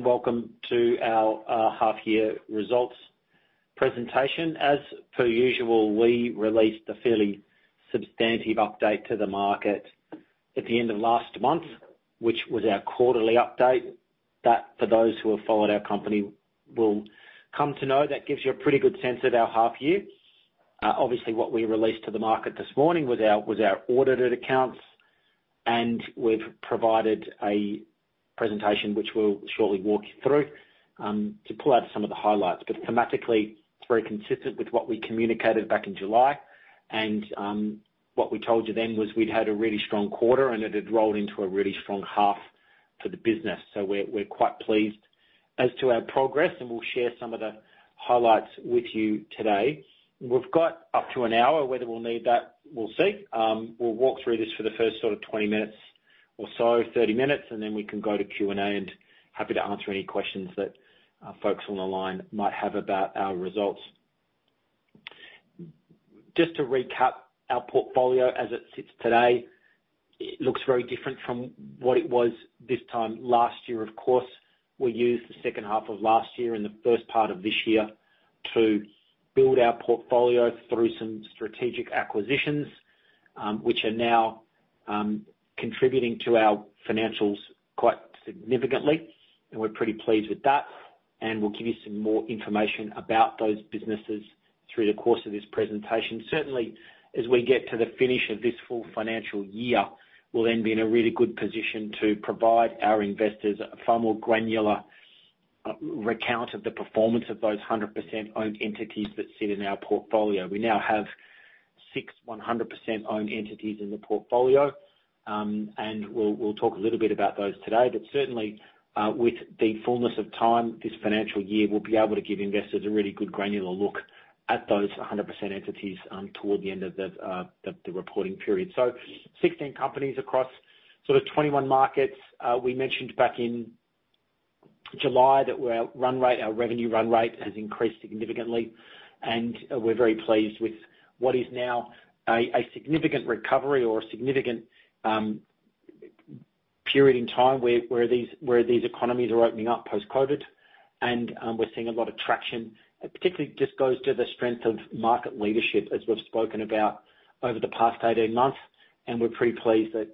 Welcome to our half year results presentation. As per usual, we released a fairly substantive update to the market at the end of last month, which was our quarterly update. That, for those who have followed our company, will come to know, that gives you a pretty good sense of our half year. Obviously, what we released to the market this morning was our audited accounts, and we've provided a presentation, which we'll shortly walk you through, to pull out some of the highlights. Thematically, it's very consistent with what we communicated back in July. What we told you then was we'd had a really strong quarter, and it had rolled into a really strong half for the business. We're quite pleased as to our progress, and we'll share some of the highlights with you today. We've got up to an hour. Whether we'll need that, we'll see. We'll walk through this for the first sort of 20 minutes or so, 30 minutes, and then we can go to Q&A, and happy to answer any questions that folks on the line might have about our results. Just to recap our portfolio as it sits today. It looks very different from what it was this time last year, of course. We used the second half of last year and the first part of this year to build our portfolio through some strategic acquisitions, which are now contributing to our financials quite significantly. We're pretty pleased with that. We'll give you some more information about those businesses through the course of this presentation. Certainly, as we get to the finish of this full financial year, we'll then be in a really good position to provide our investors a far more granular recount of the performance of those 100% owned entities that sit in our portfolio. We now have six 100% owned entities in the portfolio. We'll talk a little bit about those today. Certainly, with the fullness of time this financial year, we'll be able to give investors a really good granular look at those 100% entities toward the end of the reporting period. 16 companies across sort of 21 markets. We mentioned back in July that our revenue run rate has increased significantly, and we're very pleased with what is now a significant recovery or a significant period in time where these economies are opening up post-COVID. We're seeing a lot of traction. It particularly just goes to the strength of market leadership as we've spoken about over the past 18 months, and we're pretty pleased that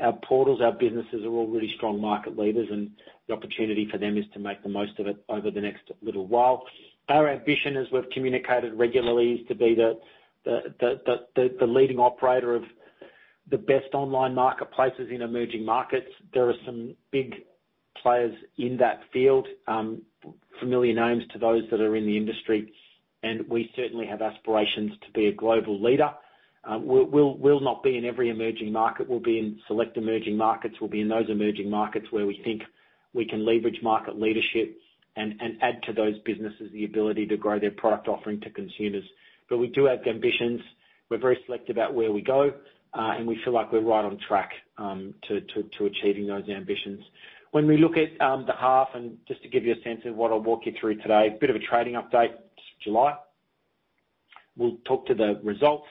our portals, our businesses, are all really strong market leaders, and the opportunity for them is to make the most of it over the next little while. Our ambition, as we've communicated regularly, is to be the leading operator of the best online marketplaces in emerging markets. There are some big players in that field, familiar names to those that are in the industry, and we certainly have aspirations to be a global leader. We'll not be in every emerging market. We'll be in select emerging markets. We'll be in those emerging markets where we think we can leverage market leadership and add to those businesses the ability to grow their product offering to consumers. We do have ambitions. We're very selective about where we go. We feel like we're right on track to achieving those ambitions. When we look at the half, just to give you a sense of what I'll walk you through today, a bit of a trading update, July. We'll talk to the results,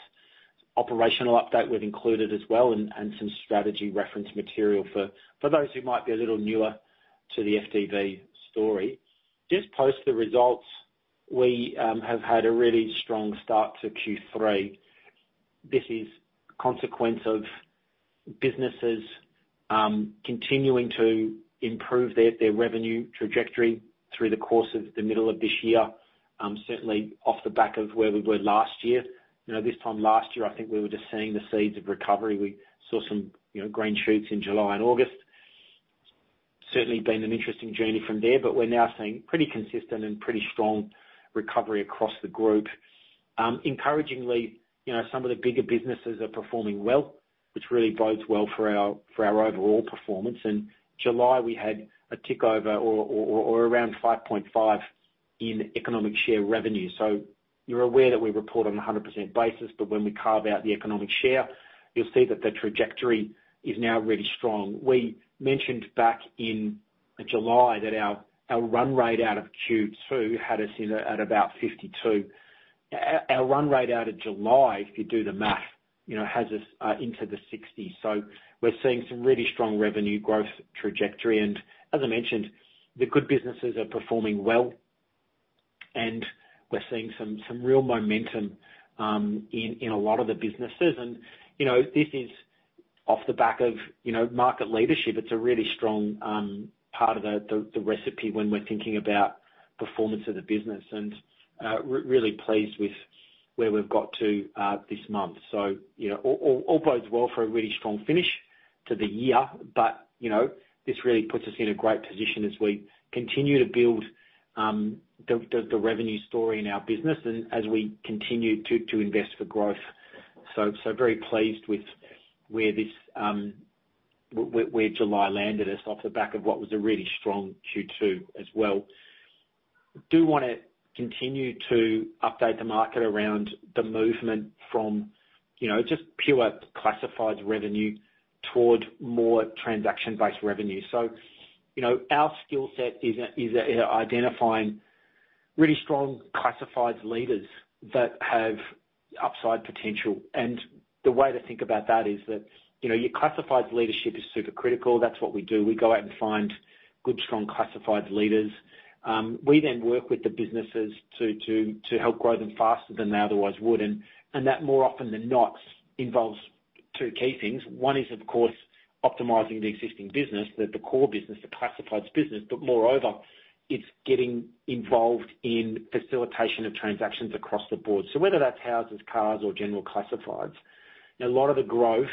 operational update we've included as well, and some strategy reference material for those who might be a little newer to the FDV story. Just post the results, we have had a really strong start to Q3. This is a consequence of businesses continuing to improve their revenue trajectory through the course of the middle of this year. Certainly off the back of where we were last year. This time last year, I think we were just seeing the seeds of recovery. We saw some green shoots in July and August. Certainly been an interesting journey from there, but we're now seeing pretty consistent and pretty strong recovery across the group. Encouragingly, some of the bigger businesses are performing well, which really bodes well for our overall performance. In July, we had a tick over or around 5.5 million in economic share revenue. You're aware that we report on a 100% basis, but when we carve out the economic share, you'll see that the trajectory is now really strong. We mentioned back in July that our run rate out of Q2 had us in at about 52 million. Our run rate out of July, if you do the math, has us into 60 million. We're seeing some really strong revenue growth trajectory, and as I mentioned, the good businesses are performing well. We're seeing some real momentum in a lot of the businesses. This is off the back of market leadership. It's a really strong part of the recipe when we're thinking about performance of the business. Really pleased with where we've got to this month. All bodes well for a really strong finish to the year. This really puts us in a great position as we continue to build the revenue story in our business and as we continue to invest for growth. Very pleased with where July landed us off the back of what was a really strong Q2 as well. Do wanna continue to update the market around the movement from just pure classified revenue toward more transaction-based revenue. Our skill set is identifying really strong classifieds leaders that have upside potential. The way to think about that is that your classifieds leadership is super critical. That's what we do. We go out and find good, strong classified leaders. We then work with the businesses to help grow them faster than they otherwise would. That, more often than not, involves two key things. One is, of course, optimizing the existing business, the core business, the classifieds business, but moreover, it's getting involved in facilitation of transactions across the board. Whether that's houses, cars, or general classifieds, a lot of the growth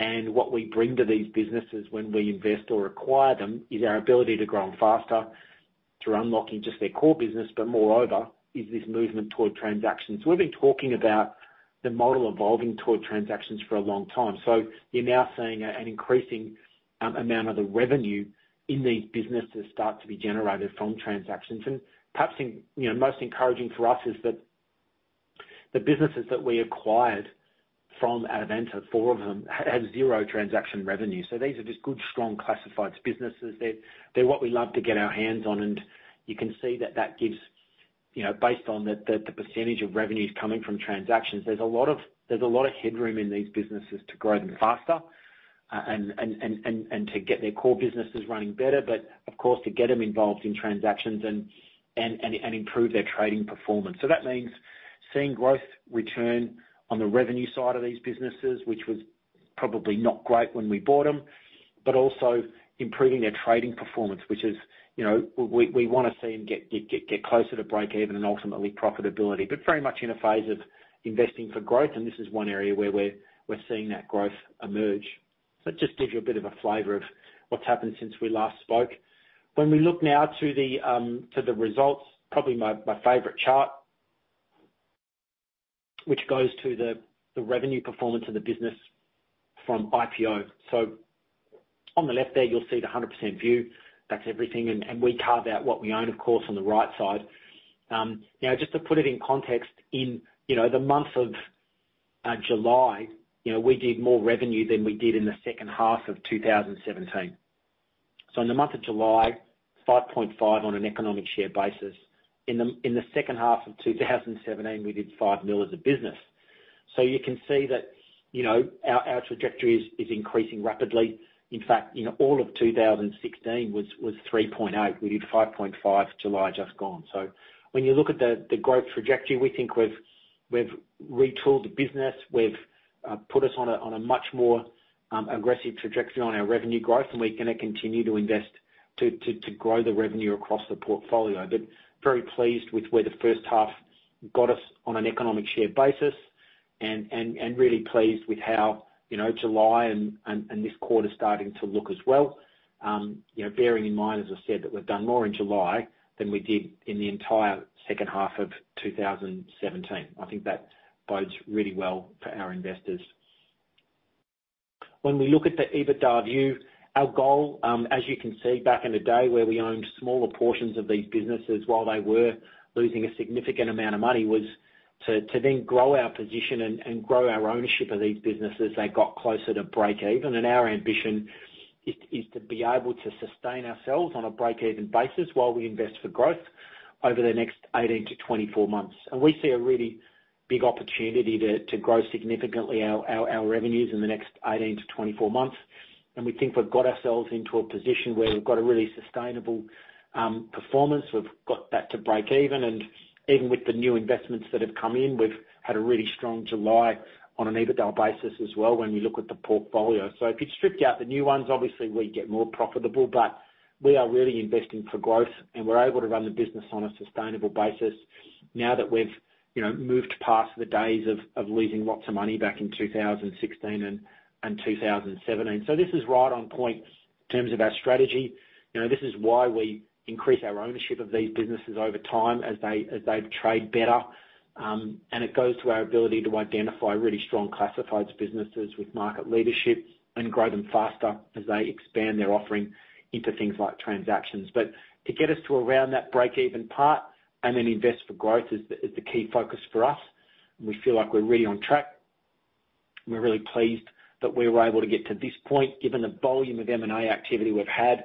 and what we bring to these businesses when we invest or acquire them, is our ability to grow them faster through unlocking just their core business, but moreover, is this movement toward transactions. We've been talking about the model evolving toward transactions for a long time. You're now seeing an increasing amount of the revenue in these businesses start to be generated from transactions. Perhaps, most encouraging for us is that the businesses that we acquired from Adevinta, four of them, have zero transaction revenue. These are just good, strong classifieds businesses. They're what we love to get our hands on, and you can see that gives, based on the percentage of revenues coming from transactions, there's a lot of headroom in these businesses to grow them faster, and to get their core businesses running better but, of course, to get them involved in transactions and improve their trading performance. That means seeing growth return on the revenue side of these businesses, which was probably not great when we bought them. Also improving their trading performance, which is, we wanna see them get closer to break even and ultimately profitability. Very much in a phase of investing for growth, and this is one area where we're seeing that growth emerge. It just gives you a bit of a flavor of what's happened since we last spoke. When we look now to the results, probably my favorite chart, which goes to the revenue performance of the business from IPO. On the left there, you'll see the 100% view. That's everything, and we carve out what we own, of course, on the right side. Now, just to put it in context, in the month of July, we did more revenue than we did in the second half of 2017. In the month of July, 5.5 million on an economic share basis. In the second half of 2017, we did 5 million as a business. You can see that our trajectory is increasing rapidly. In fact, all of 2016 was 3.8. We did 5.5 July, just gone. When you look at the growth trajectory, we think we've retooled the business. We've put us on a much more aggressive trajectory on our revenue growth, and we're gonna continue to invest to grow the revenue across the portfolio. Very pleased with where the first half got us on an economic share basis, and really pleased with how July and this quarter's starting to look as well. Bearing in mind, as I said, that we've done more in July than we did in the entire second half of 2017. I think that bodes really well for our investors. We look at the EBITDA view, our goal, as you can see, back in the day, where we owned smaller portions of these businesses while they were losing a significant amount of money, was to then grow our position and grow our ownership of these businesses. They got closer to break even, our ambition is to be able to sustain ourselves on a break even basis while we invest for growth over the next 18-24 months. We see a really big opportunity to grow significantly our revenues in the next 18-24 months. We think we've got ourselves into a position where we've got a really sustainable performance. We've got that to break even with the new investments that have come in, we've had a really strong July on an EBITDA basis as well when we look at the portfolio. If you strip out the new ones, obviously we get more profitable, but we are really investing for growth, and we're able to run the business on a sustainable basis now that we've moved past the days of losing lots of money back in 2016 and 2017. This is right on point in terms of our strategy. This is why we increase our ownership of these businesses over time as they trade better. It goes to our ability to identify really strong classifieds businesses with market leadership and grow them faster as they expand their offering into things like transactions. To get us to around that break even part and then invest for growth is the key focus for us. We feel like we're really on track. We're really pleased that we were able to get to this point, given the volume of M&A activity we've had,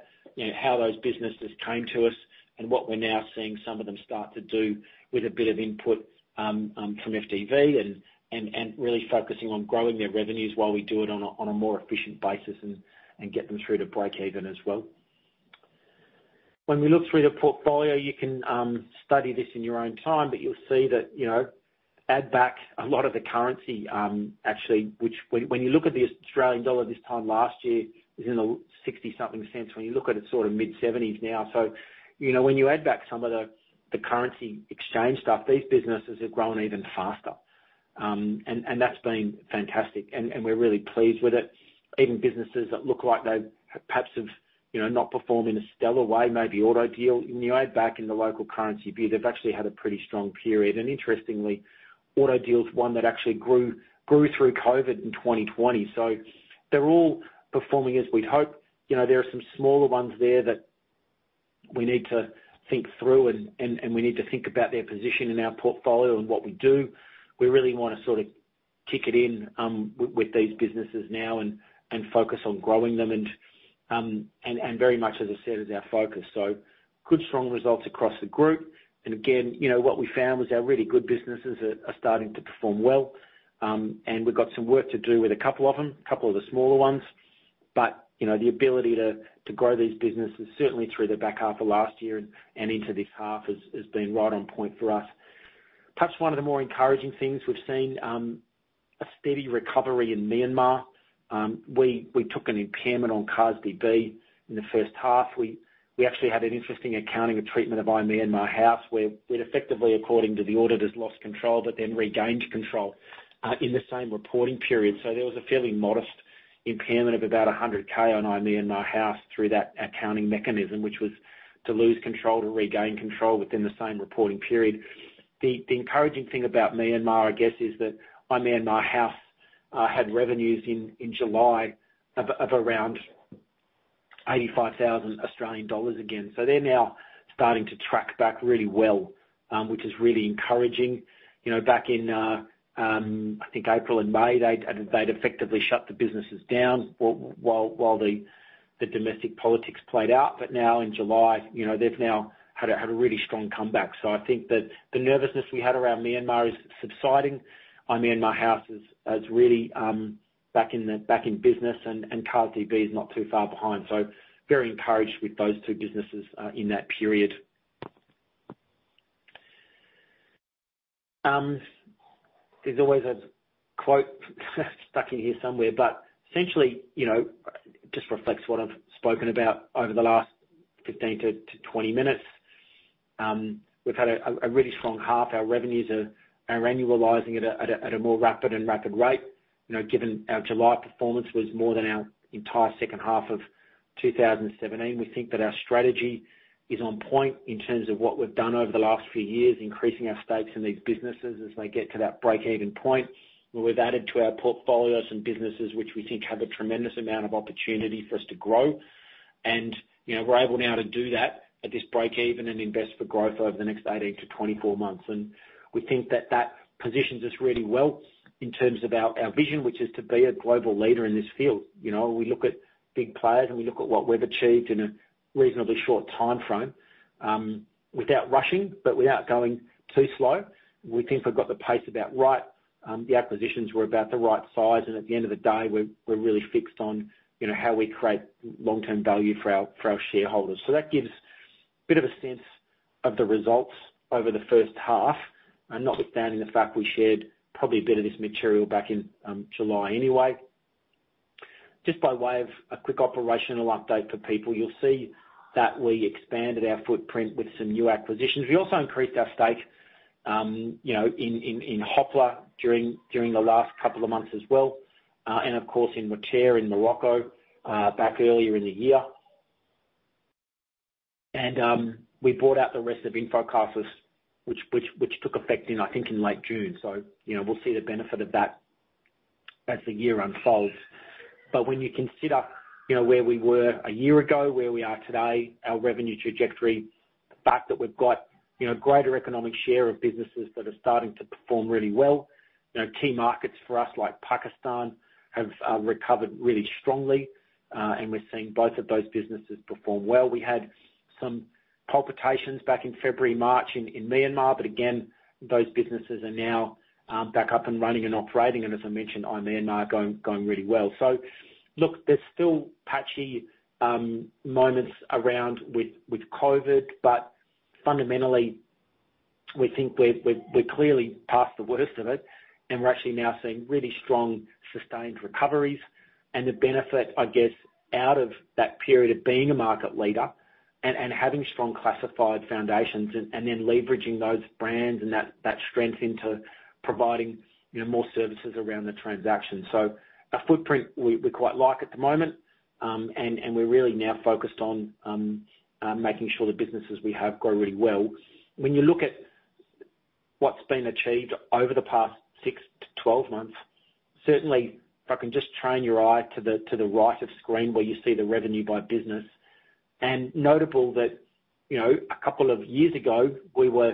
how those businesses came to us, and what we're now seeing some of them start to do with a bit of input from FDV and really focusing on growing their revenues while we do it on a more efficient basis and get them through to break even as well. When we look through the portfolio, you can study this in your own time, but you'll see that, add back a lot of the currency, actually, which when you look at the Australian dollar this time last year, it was in the 0.60 something. When you look at it, sort of mid-70s now. When you add back some of the currency exchange stuff, these businesses have grown even faster. That's been fantastic, and we're really pleased with it. Even businesses that look like they perhaps have not performed in a stellar way, maybe AutoDeal. When you add back in the local currency EBITDA, they've actually had a pretty strong period. Interestingly, AutoDeal is one that actually grew through COVID in 2020. They're all performing as we'd hoped. There are some smaller ones there that we need to think through, and we need to think about their position in our portfolio and what we do. We really wanna Kick it in with these businesses now and focus on growing them and very much, as I said, is our focus. Good, strong results across the group. Again, what we found was our really good businesses are starting to perform well. We've got some work to do with a couple of them, a couple of the smaller ones. The ability to grow these businesses, certainly through the back half of last year and into this half, has been right on point for us. Perhaps one of the more encouraging things we've seen, a steady recovery in Myanmar. We took an impairment on CarsDB in the first half. We actually had an interesting accounting of treatment of iMyanmarHouse, where we'd effectively, according to the auditors, lost control but then regained control in the same reporting period. There was a fairly modest impairment of about 100K on iMyanmarHouse through that accounting mechanism, which was to lose control, to regain control within the same reporting period. The encouraging thing about Myanmar, I guess is that iMyanmarHouse had revenues in July of around 85,000 Australian dollars again. They're now starting to track back really well, which is really encouraging. Back in, I think April and May, they'd effectively shut the businesses down while the domestic politics played out. Now in July, they've now had a really strong comeback. I think that the nervousness we had around Myanmar is subsiding. iMyanmarHouse is really back in business and, CarsDB is not too far behind. Very encouraged with those two businesses in that period. There's always a quote stuck in here somewhere, but essentially, just reflects what I've spoken about over the last 15 to 20 minutes. We've had a really strong half. Our revenues are annualizing at a more rapid and rapid rate. Given our July performance was more than our entire second half of 2017, we think that our strategy is on point in terms of what we've done over the last few years, increasing our stakes in these businesses as they get to that break-even point, where we've added to our portfolios and businesses, which we think have a tremendous amount of opportunity for us to grow. We're able now to do that at this break-even and invest for growth over the next 18 to 24 months. We think that that positions us really well in terms of our vision, which is to be a global leader in this field. We look at big players, and we look at what we've achieved in a reasonably short timeframe, without rushing, but without going too slow. We think we've got the pace about right. The acquisitions were about the right size, and at the end of the day, we're really fixed on how we create long-term value for our shareholders. That gives a bit of a sense of the results over the first half, notwithstanding the fact we shared probably a bit of this material back in July anyway. Just by way of a quick operational update for people, you'll see that we expanded our footprint with some new acquisitions. We also increased our stake in Hoppler during the last couple of months as well. Of course, in Moteur.ma in Morocco, back earlier in the year. We bought out the rest of InfoCasas, which took effect I think in late June. We'll see the benefit of that as the year unfolds. When you consider where we were a year ago, where we are today, our revenue trajectory, the fact that we've got greater economic share of businesses that are starting to perform really well. Key markets for us, like Pakistan, have recovered really strongly, and we're seeing both of those businesses perform well. We had some palpitations back in February, March in Myanmar, but again, those businesses are now back up and running and operating. As I mentioned, iMyanmar are going really well. Look, there's still patchy moments around with COVID, but fundamentally, we think we're clearly past the worst of it, and we're actually now seeing really strong, sustained recoveries and the benefit, I guess, out of that period of being a market leader and having strong classified foundations and then leveraging those brands and that strength into providing more services around the transaction. A footprint we quite like at the moment. We're really now focused on making sure the businesses we have grow really well. When you look at what's been achieved over the past 6-12 months, certainly, if I can just train your eye to the right of screen where you see the revenue by business. Notable that, a couple of years ago, we were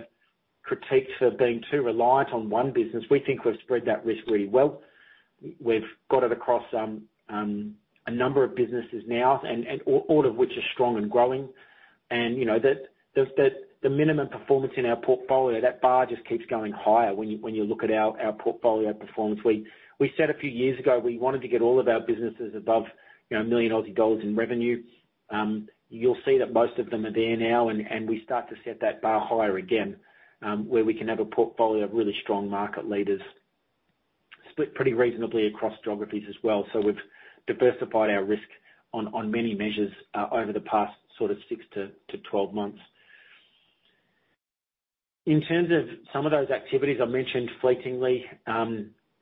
critiqued for being too reliant on one business. We think we've spread that risk really well. We've got it across a number of businesses now, and all of which are strong and growing. The minimum performance in our portfolio, that bar just keeps going higher when you look at our portfolio performance. We said a few years ago we wanted to get all of our businesses above 1 million Aussie dollars in revenue. You'll see that most of them are there now, and we start to set that bar higher again, where we can have a portfolio of really strong market leaders split pretty reasonably across geographies as well. We've diversified our risk on many measures over the past sort of 6-12 months. In terms of some of those activities I mentioned fleetingly,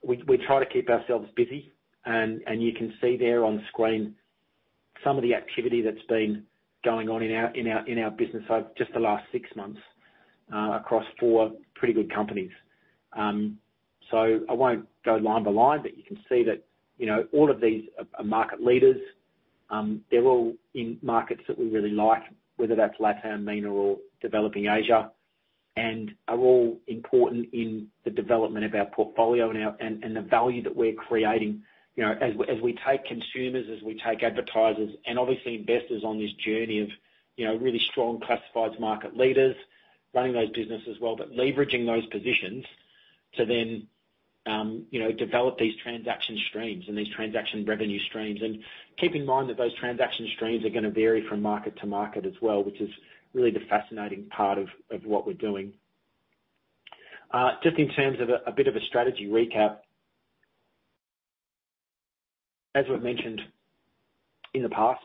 we try to keep ourselves busy, and you can see there on screen some of the activity that's been going on in our business over just the last six months, across four pretty good companies. I won't go line by line, but you can see that all of these are market leaders. They're all in markets that we really like, whether that's LATAM, MENA, or developing Asia, and are all important in the development of our portfolio and the value that we're creating, as we take consumers, as we take advertisers and obviously investors on this journey of really strong classifieds market leaders running those businesses well, but leveraging those positions to then develop these transaction streams and these transaction revenue streams. Keep in mind that those transaction streams are going to vary from market to market as well, which is really the fascinating part of what we're doing. Just in terms of a bit of a strategy recap, as we've mentioned in the past,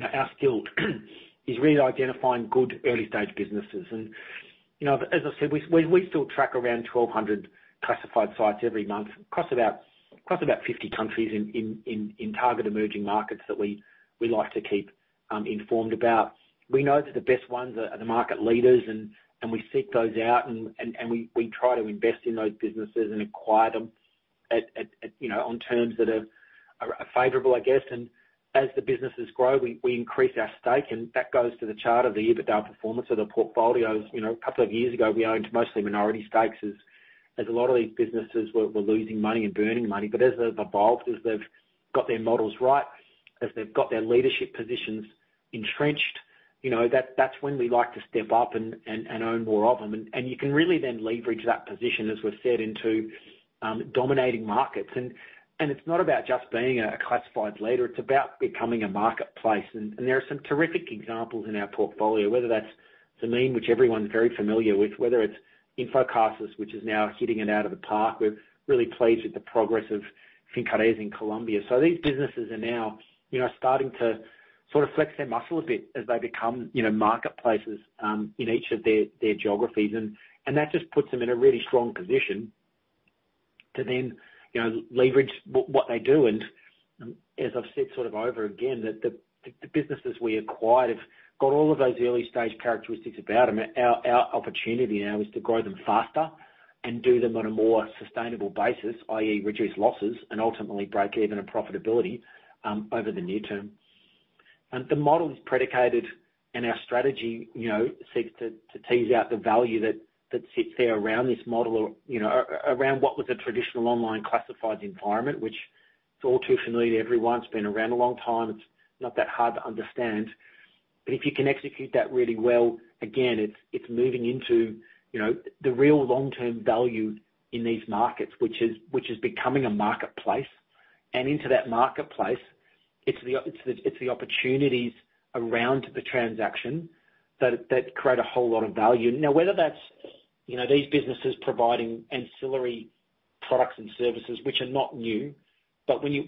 our skill is really identifying good early-stage businesses. As I said, we still track around 1,200 classified sites every month across about 50 countries in target emerging markets that we like to keep informed about. We know that the best ones are the market leaders, and we seek those out, and we try to invest in those businesses and acquire them on terms that are favorable, I guess. As the businesses grow, we increase our stake, and that goes to the chart of the EBITDA performance of the portfolios. A couple of years ago, we owned mostly minority stakes, as a lot of these businesses were losing money and burning money. As they've evolved, as they've got their models right, as they've got their leadership positions entrenched, that's when we like to step up and own more of them. You can really then leverage that position, as we've said, into dominating markets. It's not about just being a classifieds leader, it's about becoming a marketplace. There are some terrific examples in our portfolio, whether that's Zameen, which everyone's very familiar with, whether it's InfoCasas, which is now hitting it out of the park. We're really pleased with the progress of Fincaraíz in Colombia. These businesses are now starting to sort of flex their muscle a bit as they become marketplaces in each of their geographies. That just puts them in a really strong position to then leverage what they do. As I've said sort of over again, that the businesses we acquired have got all of those early-stage characteristics about them. Our opportunity now is to grow them faster and do them on a more sustainable basis, i.e., reduce losses and ultimately break even on profitability over the near term. The model is predicated, and our strategy seeks to tease out the value that sits there around this model, around what was a traditional online classifieds environment, which is all too familiar to everyone. It's been around a long time. It's not that hard to understand. If you can execute that really well, again, it's moving into the real long-term value in these markets, which is becoming a marketplace. Into that marketplace, it's the opportunities around the transaction that create a whole lot of value. Whether that's these businesses providing ancillary products and services, which are not new, but when you're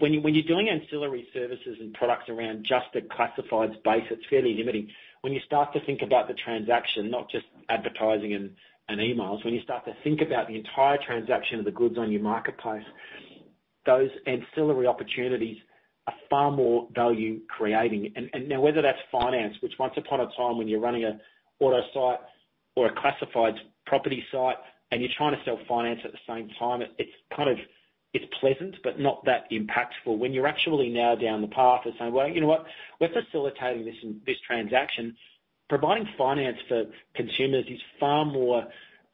doing ancillary services and products around just a classifieds base, it's fairly limiting. When you start to think about the transaction, not just advertising and emails, when you start to think about the entire transaction of the goods on your marketplace, those ancillary opportunities are far more value-creating. Now, whether that's finance, which once upon a time when you're running an auto site or a classified property site and you're trying to sell finance at the same time, it's pleasant, but not that impactful. When you're actually now down the path of saying, "Well, you know what? We're facilitating this transaction," providing finance for consumers is far more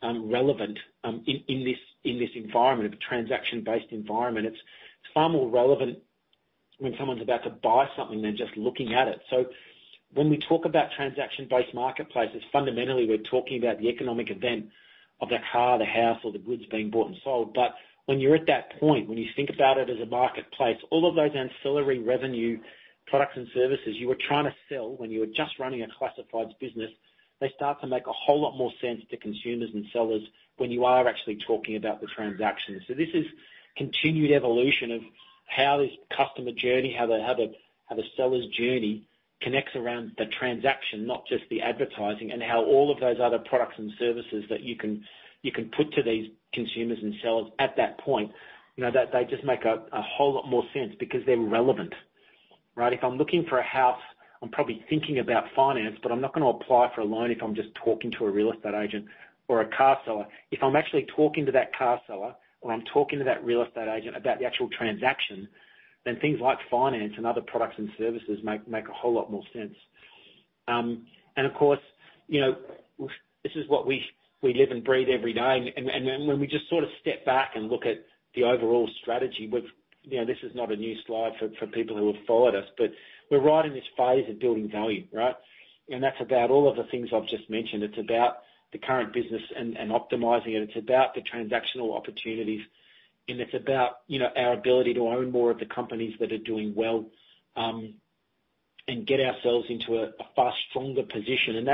relevant in this environment, a transaction-based environment. It's far more relevant when someone's about to buy something than just looking at it. When we talk about transaction-based marketplaces, fundamentally, we're talking about the economic event of the car, the house or the goods being bought and sold. When you're at that point, when you think about it as a marketplace, all of those ancillary revenue products and services you were trying to sell when you were just running a classifieds business, they start to make a whole lot more sense to consumers and sellers when you are actually talking about the transaction. This is continued evolution of how this customer journey, how the seller's journey connects around the transaction, not just the advertising, and how all of those other products and services that you can put to these consumers and sellers at that point, they just make a whole lot more sense because they're relevant, right? If I'm looking for a house, I'm probably thinking about finance, but I'm not going to apply for a loan if I'm just talking to a real estate agent or a car seller. If I'm actually talking to that car seller or I'm talking to that real estate agent about the actual transaction, things like finance and other products and services make a whole lot more sense. Of course, this is what we live and breathe every day. When we just sort of step back and look at the overall strategy, this is not a new slide for people who have followed us, but we're right in this phase of building value, right? That's about all of the things I've just mentioned. It's about the current business and optimizing it. It's about the transactional opportunities, and it's about our ability to own more of the companies that are doing well, and get ourselves into a far stronger position.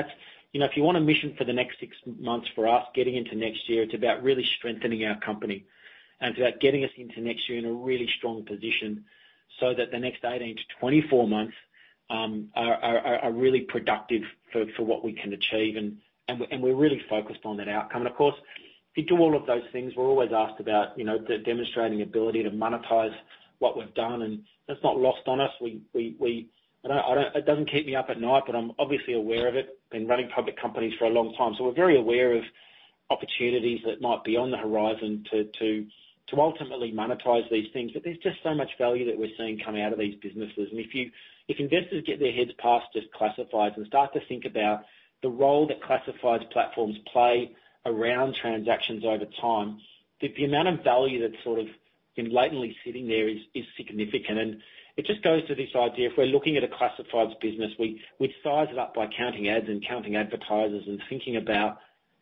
If you want a mission for the next six months for us getting into next year, it's about really strengthening our company, and it's about getting us into next year in a really strong position so that the next 18-24 months are really productive for what we can achieve. We're really focused on that outcome. Of course, if you do all of those things, we're always asked about the demonstrating ability to monetize what we've done, and that's not lost on us. It doesn't keep me up at night, but I'm obviously aware of it, been running public companies for a long time. We're very aware of opportunities that might be on the horizon to ultimately monetize these things. There's just so much value that we're seeing come out of these businesses. If investors get their heads past just classifieds and start to think about the role that classifieds platforms play around transactions over time, the amount of value that's latently sitting there is significant. It just goes to this idea, if we're looking at a classifieds business, we size it up by counting ads and counting advertisers and thinking about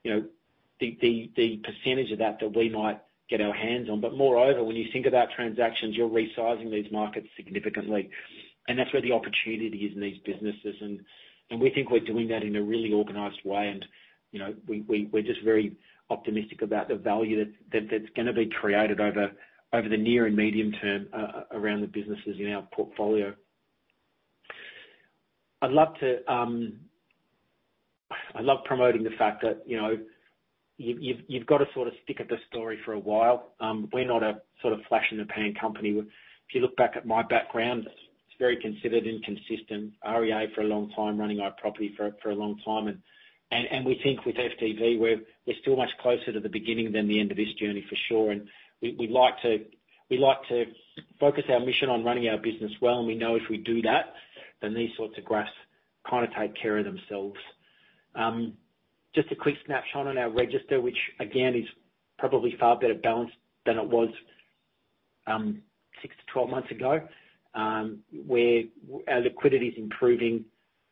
the percentage of that that we might get our hands on. Moreover, when you think about transactions, you're resizing these markets significantly. That's where the opportunity is in these businesses. We think we're doing that in a really organized way, and we're just very optimistic about the value that's going to be created over the near and medium term around the businesses in our portfolio. I love promoting the fact that you've got to stick at the story for a while. We're not a flash-in-the-pan company. If you look back at my background, it's very considered and consistent. REA for a long time, running iProperty for a long time. We think with FDV, we're still much closer to the beginning than the end of this journey for sure. We like to focus our mission on running our business well, and we know if we do that, then these sorts of graphs take care of themselves. Just a quick snapshot on our register, which again is probably far better balanced than it was 6-12 months ago. Our liquidity is improving,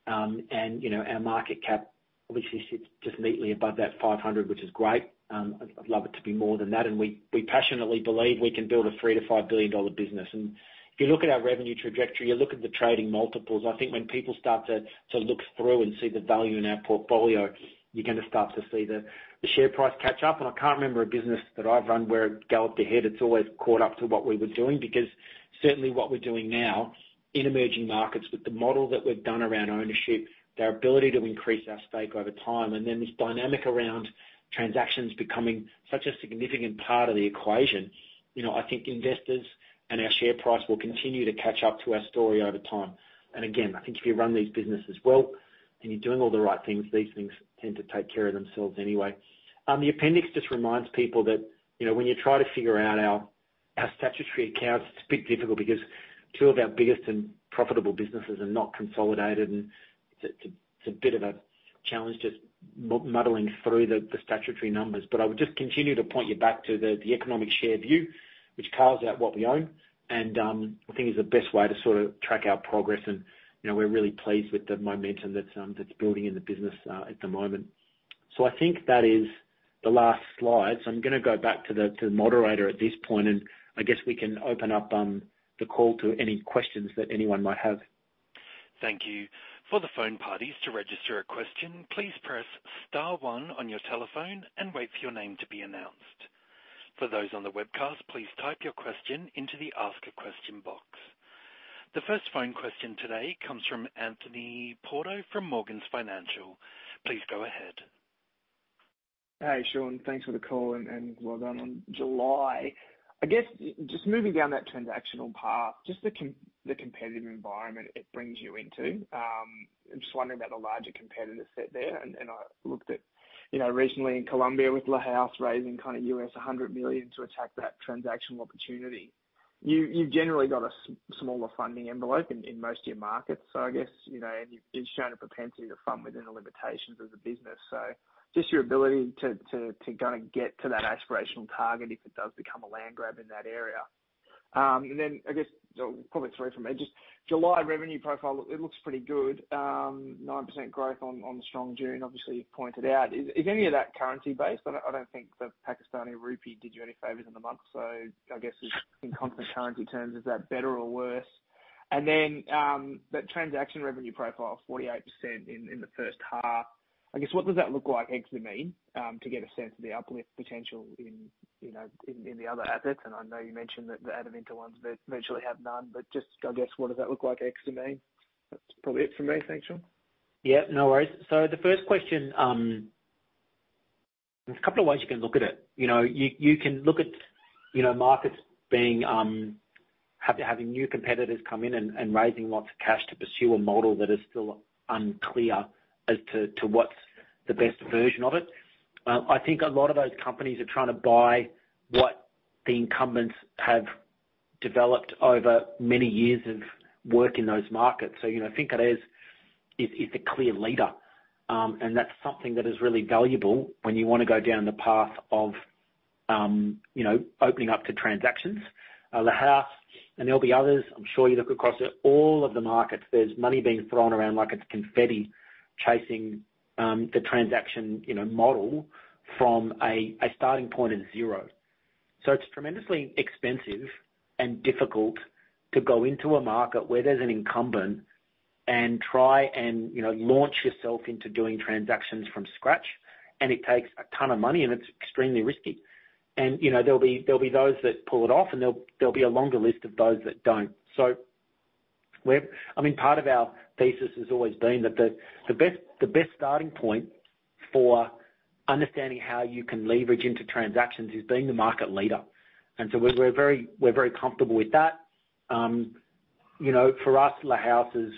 and our market cap obviously sits just neatly above that 500, which is great. I'd love it to be more than that. We passionately believe we can build a 3 billion-5 billion dollar business. If you look at our revenue trajectory, you look at the trading multiples, I think when people start to look through and see the value in our portfolio, you're going to start to see the share price catch up. I can't remember a business that I've run where it go up ahead. It's always caught up to what we were doing. Certainly what we're doing now in emerging markets with the model that we've done around ownership, our ability to increase our stake over time, and then this dynamic around transactions becoming such a significant part of the equation. I think investors and our share price will continue to catch up to our story over time. Again, I think if you run these businesses well and you're doing all the right things, these things tend to take care of themselves anyway. The appendix just reminds people that when you try to figure out our statutory accounts, it's a bit difficult because two of our biggest and profitable businesses are not consolidated, and it's a bit of a challenge just muddling through the statutory numbers. I would just continue to point you back to the economic share view, which carves out what we own, and I think is the best way to track our progress. We're really pleased with the momentum that's building in the business at the moment. I think that is the last slide. I'm going to go back to the moderator at this point, and I guess we can open up the call to any questions that anyone might have. Thank you. For the phone parties to register a question, please press star one on your telephone and wait for your name to be announced. For those on the webcast, please type your question into the Ask a Question box. The first phone question today comes from Anthony Porto from Morgans Financial. Please go ahead. Hey, Shaun. Thanks for the call, and well done on July. I guess, just moving down that transactional path, just the competitive environment it brings you into. I'm just wondering about the larger competitor set there. I looked at recently in Colombia with La Haus raising $100 million to attack that transactional opportunity. You've generally got a smaller funding envelope in most of your markets, so I guess, and you've shown a propensity to fund within the limitations of the business. Just your ability to get to that aspirational target if it does become a land grab in that area. I guess, probably three from me, just July revenue profile, it looks pretty good. 9% growth on the strong June, obviously, you've pointed out. Is any of that currency-based? I don't think the Pakistani rupee did you any favors in the month. I guess in constant currency terms, is that better or worse? That transaction revenue profile, 48% in the first half. I guess, what does that look like ex M&A to get a sense of the uplift potential in the other assets? I know you mentioned that the Adevinta ones virtually have none, but just, I guess, what does that look like ex M&A? That's probably it for me. Thanks, Shaun. Yeah, no worries. The first question, there's a couple of ways you can look at it. You can look at markets having new competitors come in and raising lots of cash to pursue a model that is still unclear as to what's the best version of it. I think a lot of those companies are trying to buy what the incumbents have developed over many years of work in those markets. InfoCasas is the clear leader. That's something that is really valuable when you want to go down the path of opening up to transactions. La Haus, there'll be others, I'm sure you look across at all of the markets, there's money being thrown around like it's confetti, chasing the transaction model from a starting point at zero. It's tremendously expensive and difficult to go into a market where there's an incumbent and try and launch yourself into doing transactions from scratch. It takes a ton of money, and it's extremely risky. There'll be those that pull it off, and there'll be a longer list of those that don't. Part of our thesis has always been that the best starting point for understanding how you can leverage into transactions is being the market leader. We're very comfortable with that. For us, La Haus is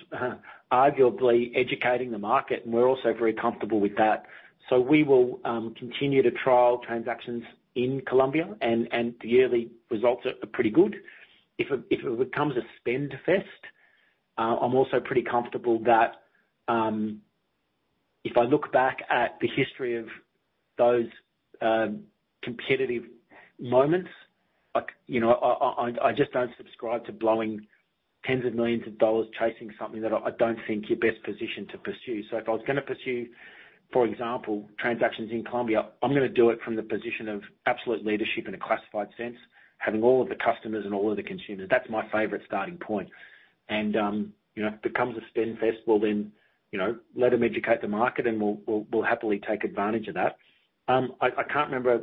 arguably educating the market, and we're also very comfortable with that. We will continue to trial transactions in Colombia, and the yearly results are pretty good. If it becomes a spend fest, I'm also pretty comfortable that if I look back at the history of those competitive moments, I just don't subscribe to blowing tens of millions of MYR chasing something that I don't think you're best positioned to pursue. If I was going to pursue, for example, transactions in Colombia, I'm going to do it from the position of absolute leadership in a classified sense, having all of the customers and all of the consumers. That's my favorite starting point. If it becomes a spend fest, well then, let them educate the market, and we'll happily take advantage of that. I can't remember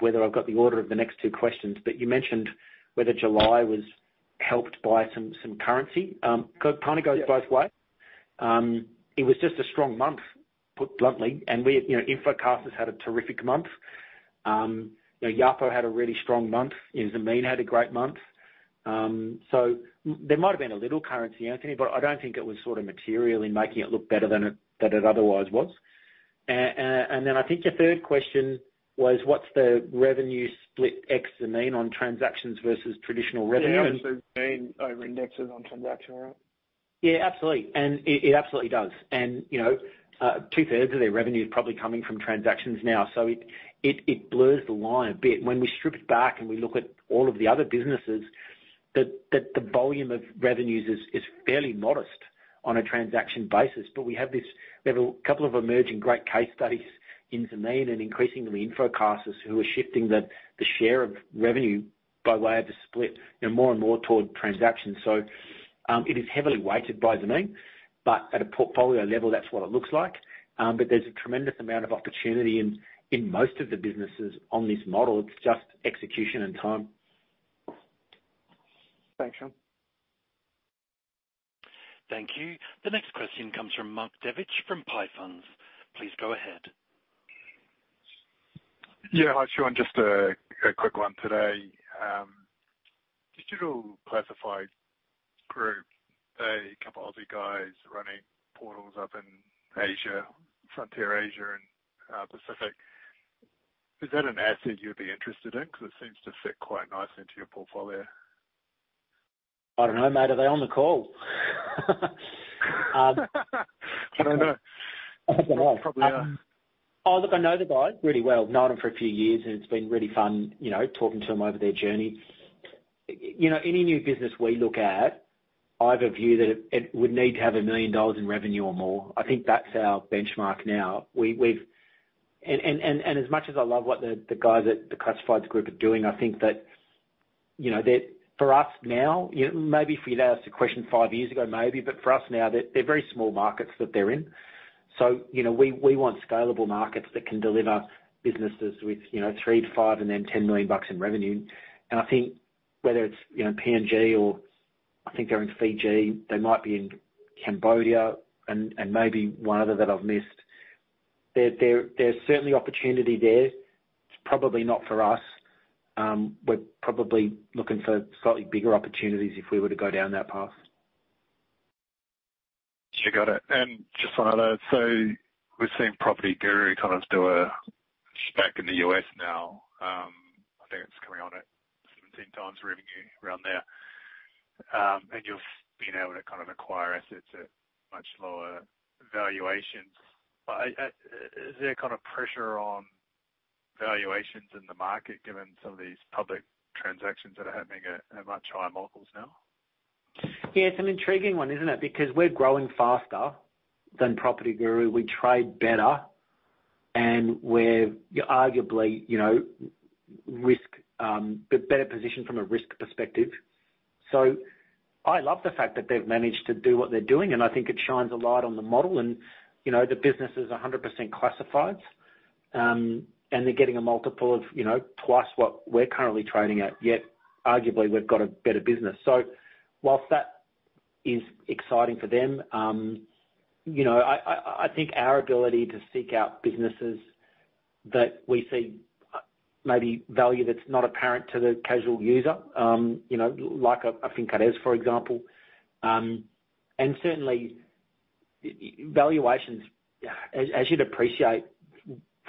whether I've got the order of the next two questions, but you mentioned whether July was helped by some currency. Kind of goes both ways. It was just a strong month, put bluntly. InfoCasas has had a terrific month. Yapo had a really strong month. Zameen had a great month. There might have been a little currency, Anthony, but I don't think it was material in making it look better than it otherwise was. I think your third question was what's the revenue split ex Zameen on transactions versus traditional revenue? Yeah, obviously Zameen over-indexes on transactional, right? Yeah, absolutely. It absolutely does. Two-thirds of their revenue is probably coming from transactions now, so it blurs the line a bit. When we strip it back and we look at all of the other businesses, the volume of revenues is fairly modest on a transaction basis. We have a couple of emerging great case studies in Zameen and increasingly in InfoCasas who are shifting the share of revenue by way of the split more and toward transactions. It is heavily weighted by Zameen. At a portfolio level, that's what it looks like. There's a tremendous amount of opportunity in most of the businesses on this model. It's just execution and time. Thanks, Shaun. Thank you. The next question comes from [Mark Devich] from Patersons. Please go ahead. Yeah. Hi, Shaun. Just a quick one today. Digital Classifieds Group, a couple of the guys running portals up in Asia, FDV Asia, and Pacific. Is that an asset you'd be interested in? It seems to fit quite nicely into your portfolio. I don't know, mate. Are they on the call? I don't know. They probably are. Oh, look, I know the guys really well. Known them for a few years, and it's been really fun talking to them over their journey. Any new business we look at, I have a view that it would need to have MYR 1 million in revenue or more. I think that's our benchmark now. As much as I love what the guys at the Digital Classifieds Group are doing, I think that for us now, maybe if you'd asked the question 5 years ago, maybe, but for us now, they're very small markets that they're in. We want scalable markets that can deliver businesses with 3 million-5 million and then MYR 10 million in revenue. I think whether it's PNG or I think they're in Fiji, they might be in Cambodia and maybe one other that I've missed. There's certainly opportunity there. It's probably not for us. We're probably looking for slightly bigger opportunities if we were to go down that path. Sure. Got it. Just one other. We're seeing PropertyGuru do a SPAC in the U.S. now. I think it's coming on at 17 times revenue around there. You've been able to acquire assets at much lower valuations. Is there pressure on valuations in the market given some of these public transactions that are happening at much higher multiples now? Yeah, it's an intriguing one, isn't it? Because we're growing faster than PropertyGuru. We trade better, we're arguably better positioned from a risk perspective. I love the fact that they've managed to do what they're doing, I think it shines a light on the model and the business is 100% classifieds. They're getting a multiple of twice what we're currently trading at, yet arguably, we've got a better business. Whilst that is exciting for them, I think our ability to seek out businesses that we see maybe value that's not apparent to the casual user, like a Fincaraiz, for example. Certainly valuations, as you'd appreciate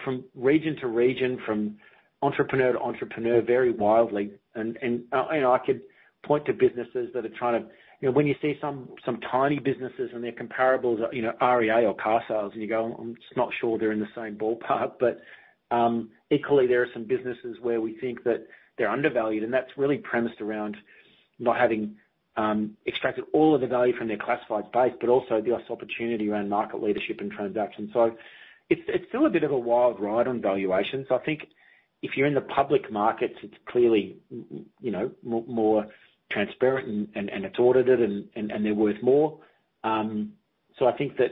from region to region, from entrepreneur to entrepreneur, vary wildly. I could point to businesses that are trying to-- when you see some tiny businesses and their comparables are REA or Carsales, and you go, "I'm just not sure they're in the same ballpark." Equally, there are some businesses where we think that they're undervalued, and that's really premised around not having extracted all of the value from their classified space, but also the opportunity around market leadership and transactions. It's still a bit of a wild ride on valuations. I think if you're in the public markets, it's clearly more transparent, and it's audited, and they're worth more. I think that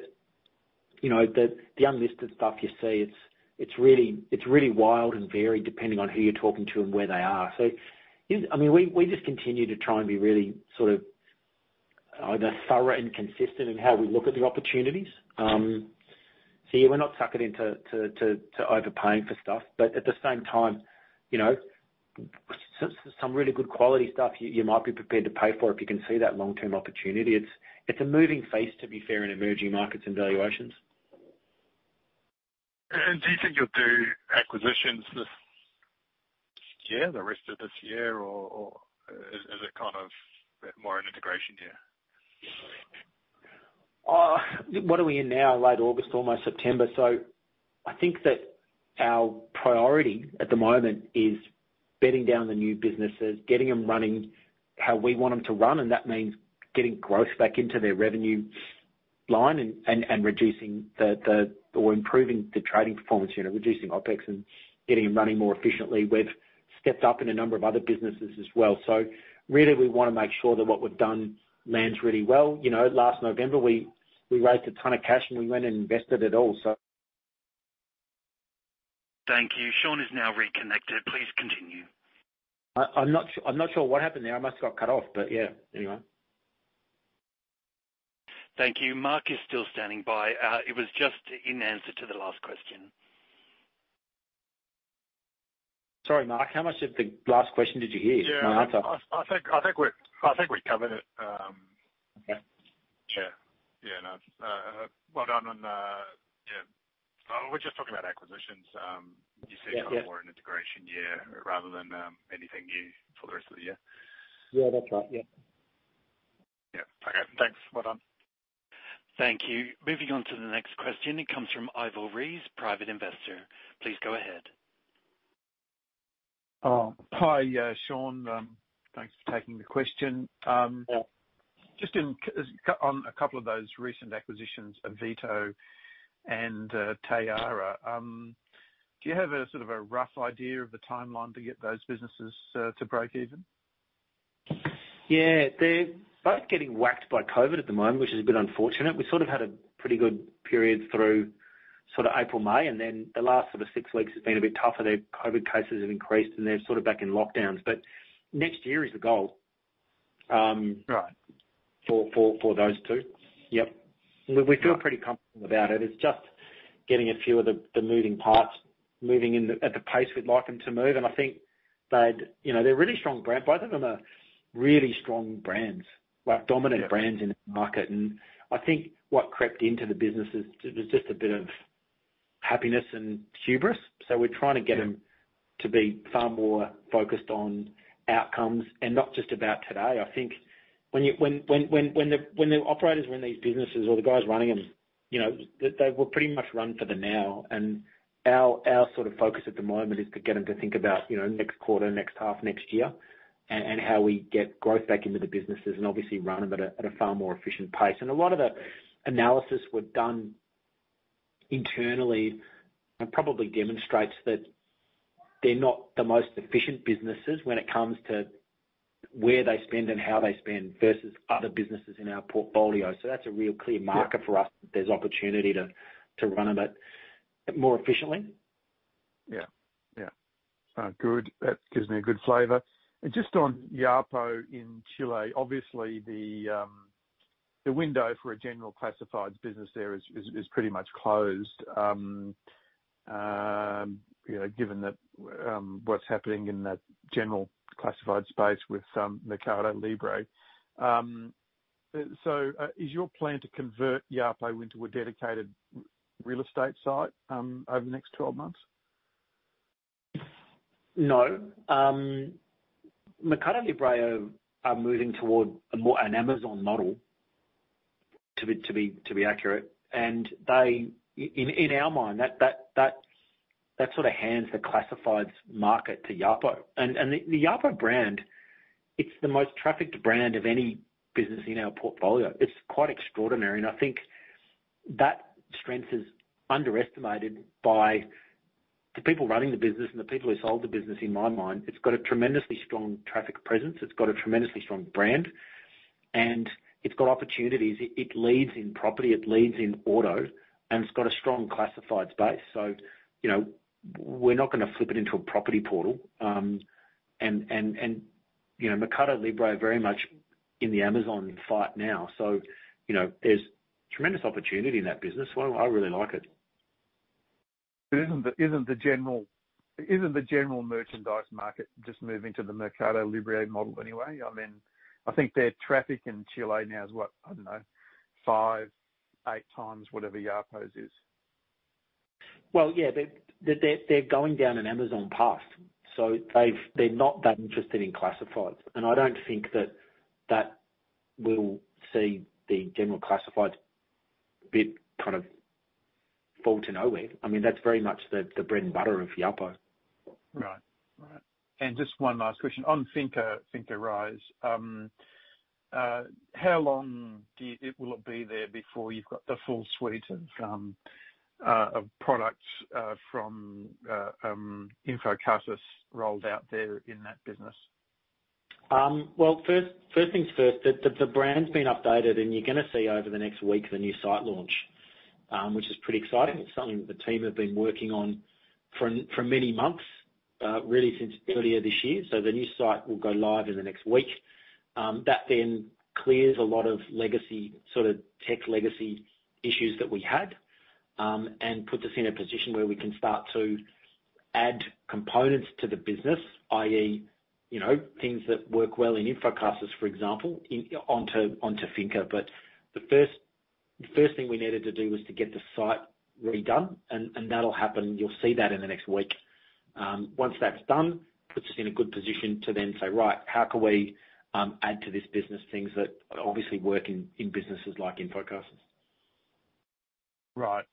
the unlisted stuff you see, it's really wild and varied depending on who you're talking to and where they are. We just continue to try and be really either thorough and consistent in how we look at the opportunities. Yeah, we're not sucking into overpaying for stuff. At the same time, some really good quality stuff you might be prepared to pay for if you can see that long-term opportunity. It's a moving feast, to be fair, in emerging markets and valuations. Do you think you'll do acquisitions this year, the rest of this year, or is it more an integration year? What are we in now? Late August, almost September. I think that our priority at the moment is bedding down the new businesses, getting them running how we want them to run, and that means getting growth back into their revenue line and improving the trading performance unit, reducing OpEx and getting them running more efficiently. We've stepped up in a number of other businesses as well. Really, we want to make sure that what we've done lands really well. Last November, we raised a ton of cash and we went and invested it all. Thank you. Shaun is now reconnected. Please continue. I'm not sure what happened there. I must have got cut off, but yeah. Anyway. Thank you. Mark is still standing by. It was just in answer to the last question. Sorry, Mark. How much of the last question did you hear? My answer. Yeah. I think we covered it. Okay. Yeah. No. Well done on, we're just talking about acquisitions. You said- Yeah you're more an integration year rather than anything new for the rest of the year. Yeah, that's right. Yeah. Yeah. Okay, thanks. Well done. Thank you. Moving on to the next question. It comes from Ivor Ries, Private Investor. Please go ahead. Hi, Shaun. Thanks for taking the question. Yeah. Just on a couple of those recent acquisitions, Avito and Tayara, do you have a rough idea of the timeline to get those businesses to break even? They're both getting whacked by COVID at the moment, which is a bit unfortunate. We had a pretty good period through April, May, and then the last six weeks has been a bit tougher. Their COVID cases have increased, and they're back in lockdowns. Next year is the goal. Right. For those two. Yep. We feel pretty comfortable about it. It's just getting a few of the moving parts moving at the pace we'd like them to move. I think they're a really strong brand. Both of them are really strong brands, dominant brands in the market. I think what crept into the business is just a bit of happiness and hubris. We're trying to get them to be far more focused on outcomes and not just about today. I think when the operators run these businesses or the guys running them, they will pretty much run for the now. Our focus at the moment is to get them to think about next quarter, next half, next year, and how we get growth back into the businesses and obviously run them at a far more efficient pace. A lot of the analysis we've done internally probably demonstrates that they're not the most efficient businesses when it comes to where they spend and how they spend versus other businesses in our portfolio. That's a real clear marker for us that there's opportunity to run them a bit more efficiently. Yeah. Good. That gives me a good flavor. Just on Yapo in Chile, obviously the window for a general classifieds business there is pretty much closed, given what's happening in that general classified space with Mercado Libre. Is your plan to convert Yapo into a dedicated real estate site over the next 12 months? No. Mercado Libre are moving toward a more an Amazon model, to be accurate. In our mind, that hands the classifieds market to Yapo. The Yapo brand, it's the most trafficked brand of any business in our portfolio. It's quite extraordinary. I think that strength is underestimated by the people running the business and the people who sold the business, in my mind. It's got a tremendously strong traffic presence. It's got a tremendously strong brand, and it's got opportunities. It leads in property, it leads in auto, and it's got a strong classifieds base. We're not going to flip it into a property portal. Mercado Libre are very much in the Amazon fight now. There's tremendous opportunity in that business. I really like it. Isn't the general merchandise market just moving to the Mercado Libre model anyway? I think their traffic in Chile now is what? I don't know, five, eight times whatever Yapo's is. Well, yeah. They're going down an Amazon path. They're not that interested in classifieds. I don't think that that will see the general classifieds bit fall to nowhere. That's very much the bread and butter of Yapo. Right. Just one last question. On Fincaraiz. How long will it be there before you've got the full suite of products from InfoCasas rolled out there in that business? Well, first things first, the brand's been updated, and you're going to see over the next week the new site launch, which is pretty exciting. It's something that the team have been working on for many months. Really since earlier this year. The new site will go live in the next week. That then clears a lot of legacy, sort of tech legacy issues that we had, and puts us in a position where we can start to add components to the business, i.e., things that work well in InfoCasas, for example, onto Fincaraiz. The first thing we needed to do was to get the site redone, and that'll happen. You'll see that in the next week. Once that's done, it puts us in a good position to then say, "Right, how can we add to this business things that obviously work in businesses like InfoCasas? Right.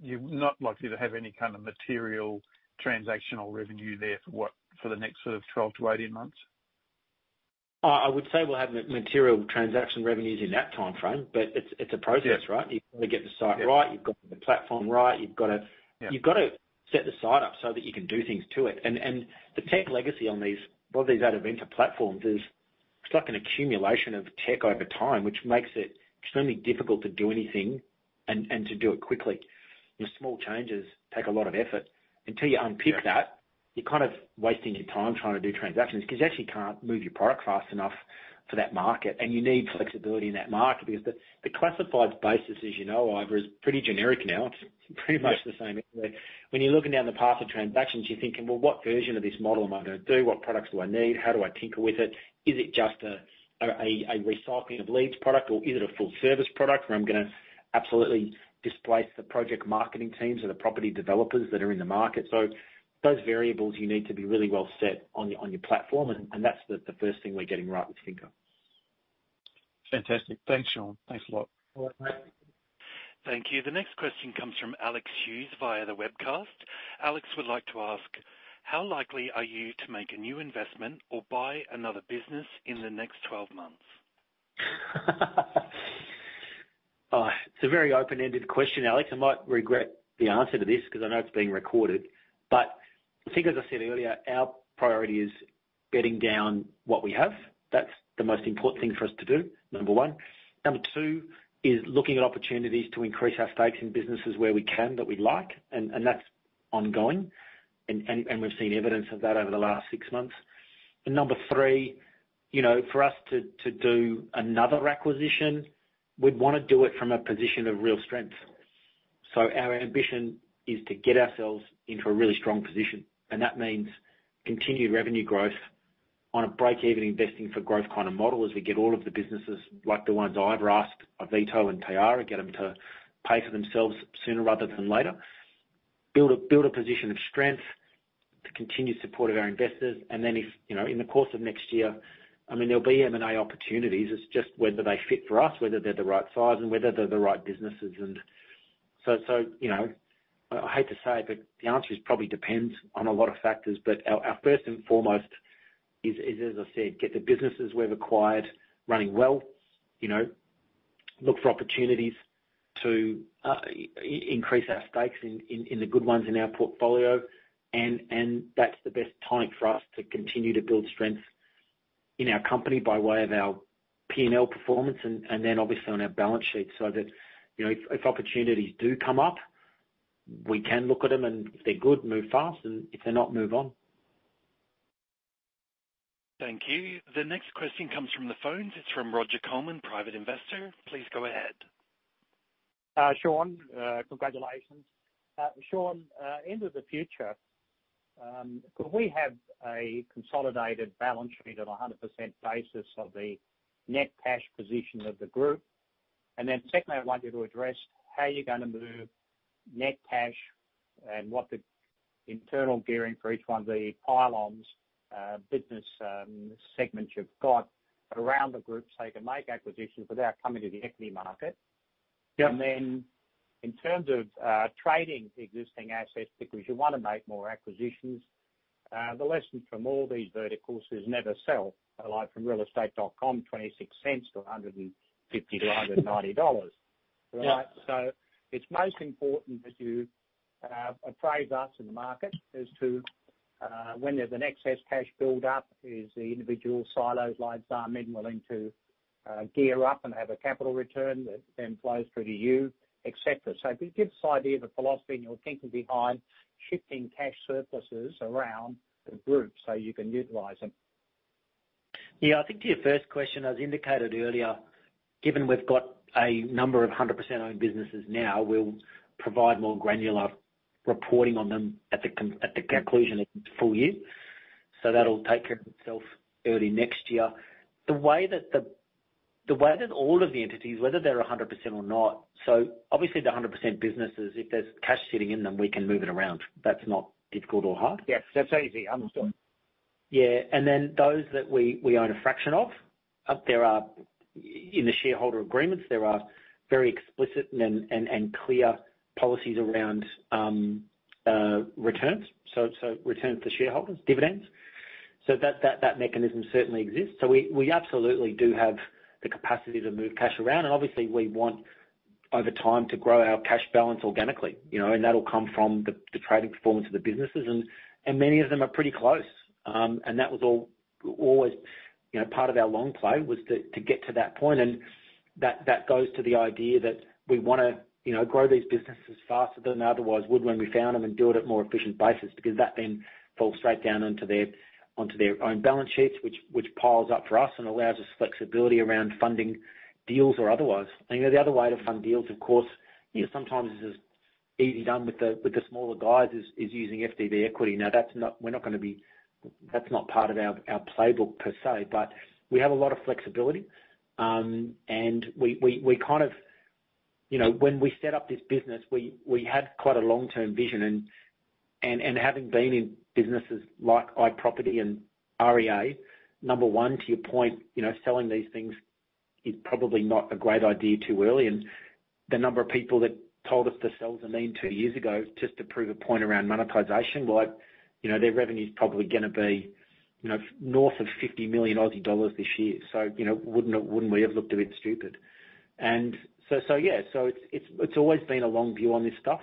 You're not likely to have any kind of material transactional revenue there for what? For the next sort of 12-18 months? I would say we'll have material transaction revenues in that timeframe, but it's a process, right? Yeah. You've got to get the site right. You've got to get the platform right. Yeah set the site up so that you can do things to it. The tech legacy on these, a lot of these Adevinta platforms is, it's like an accumulation of tech over time, which makes it extremely difficult to do anything and to do it quickly. Your small changes take a lot of effort. Until you unpick that, you're kind of wasting your time trying to do transactions because you actually can't move your product fast enough for that market. You need flexibility in that market because the classifieds basis, as you know, Ivor, is pretty generic now. It's pretty much the same everywhere. When you're looking down the path of transactions, you're thinking, "Well, what version of this model am I going to do? What products do I need? How do I tinker with it? Is it just a recycling of leads product, or is it a full-service product where I'm gonna absolutely displace the project marketing teams or the property developers that are in the market?" Those variables you need to be really well set on your platform, and that's the first thing we're getting right with Finca. Fantastic. Thanks, Shaun. Thanks a lot. All right, mate. Thank you. The next question comes from Alex Hughes via the webcast. Alex would like to ask, how likely are you to make a new investment or buy another business in the next 12 months? It's a very open-ended question, Alex. I might regret the answer to this because I know it's being recorded. I think as I said earlier, our priority is bedding down what we have. That's the most important thing for us to do, number 1. Number 2, is looking at opportunities to increase our stakes in businesses where we can, that we'd like, and that's ongoing. We've seen evidence of that over the last six months. Number three, for us to do another acquisition, we'd want to do it from a position of real strength. Our ambition is to get ourselves into a really strong position, and that means continued revenue growth on a break-even investing for growth kind of model as we get all of the businesses, like the ones I've acquired, Avito and Tayara, get them to pay for themselves sooner rather than later. Build a position of strength to continue support of our investors, and then if in the course of next year, there'll be M&A opportunities. It's just whether they fit for us, whether they're the right size, and whether they're the right businesses. I hate to say it, but the answer is probably depends on a lot of factors. Our first and foremost is, as I said, get the businesses we've acquired running well. Look for opportunities to increase our stakes in the good ones in our portfolio. That's the best time for us to continue to build strength in our company by way of our P&L performance and then obviously on our balance sheet, so that if opportunities do come up, we can look at them, and if they're good, move fast. If they're not, move on. Thank you. The next question comes from the phones. It's from Roger Coleman, Private Investor. Please go ahead. Shaun, congratulations. Shaun, end of the future, could we have a consolidated balance sheet of 100% basis of the net cash position of the group? Secondly, I'd like you to address how you're gonna move net cash and what the internal gearing for each one of the pillar business segments you've got around the group so you can make acquisitions without coming to the equity market. Yep. Then in terms of trading existing assets, because you wanna make more acquisitions. The lesson from all these verticals is never sell, like from realestate.com.au, 0.26 to 150 to 190 dollars. Right? Yeah. It's most important that you appraise us in the market as to when there's an excess cash build-up, is the individual silos like Zameen willing to gear up and have a capital return that then flows through to you, et cetera? Give us an idea of the philosophy and your thinking behind shifting cash surpluses around the group so you can utilize them. I think to your first question, as indicated earlier, given we've got a number of 100% owned businesses now, we'll provide more granular reporting on them at the conclusion of the full year. That'll take care of itself early next year. The way that all of the entities, whether they're 100% or not, so obviously the 100% businesses, if there's cash sitting in them, we can move it around. That's not difficult or hard. Yes. That's easy. Understand. Then those that we own a fraction of, in the shareholder agreements, there are very explicit and clear policies around returns. Returns to shareholders, dividends. That mechanism certainly exists. We absolutely do have the capacity to move cash around. Obviously we want over time to grow our cash balance organically, and that'll come from the trading performance of the businesses, and many of them are pretty close. That was always part of our long play was to get to that point. That goes to the idea that we want to grow these businesses faster than otherwise would when we found them and do it at more efficient basis, because that then falls straight down onto their own balance sheets, which piles up for us and allows us flexibility around funding deals or otherwise. The other way to fund deals, of course, sometimes is easily done with the smaller guys, is using FDV equity. That's not part of our playbook per se, but we have a lot of flexibility. When we set up this business, we had quite a long-term vision. Having been in businesses like iProperty and REA, number one, to your point, selling these things is probably not a great idea too early. The number of people that told us to sell Zameen two years ago just to prove a point around monetization, their revenue is probably gonna be north of 50 million Aussie dollars this year. Wouldn't we have looked a bit stupid? Yes, it's always been a long view on this stuff.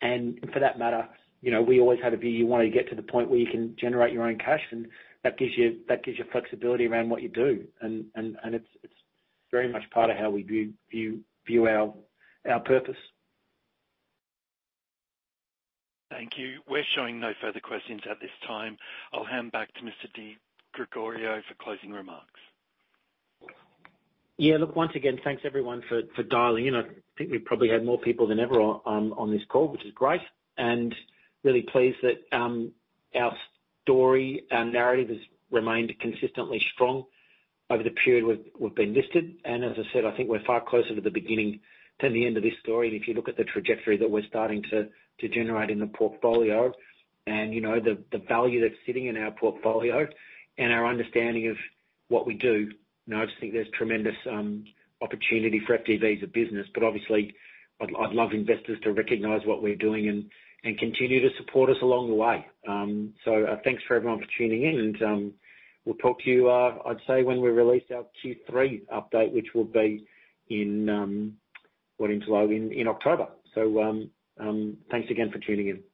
For that matter, we always had a view, you want to get to the point where you can generate your own cash, and that gives you flexibility around what you do. It's very much part of how we view our purpose. Thank you. We're showing no further questions at this time. I'll hand back to Mr. Di Gregorio for closing remarks. Yeah. Look, once again, thanks everyone for dialing in. I think we probably had more people than ever on this call, which is great, and really pleased that our story, our narrative has remained consistently strong over the period we've been listed. As I said, I think we're far closer to the beginning than the end of this story. If you look at the trajectory that we're starting to generate in the portfolio and the value that's sitting in our portfolio and our understanding of what we do, I just think there's tremendous opportunity for FDV as a business. Obviously I'd love investors to recognize what we're doing and continue to support us along the way. Thanks for everyone for tuning in, and we'll talk to you, I'd say, when we release our Q3 update, which will be in October. Thanks again for tuning in.